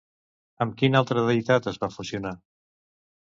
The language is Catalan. Amb quina altra deïtat es va fusionar?